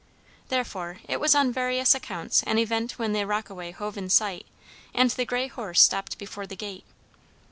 Therefore it was on various accounts an event when the rockaway hove in sight, and the grey horse stopped before the gate.